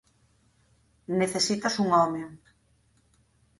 Necesitas un home.